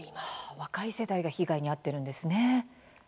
若い世代が被害に遭ってるんですね。